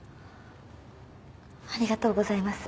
ありがとうございます。